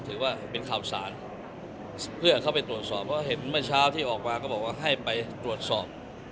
ถือว่าเป็นข่าวสารเพื่อเข้าไปตรวจสอบเพราะเห็นเมื่อเช้าที่ออกมาก็บอกว่าให้ไปตรวจสอบ